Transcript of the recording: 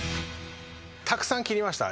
たくさん切りました。